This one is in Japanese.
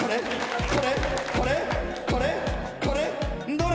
「どれ？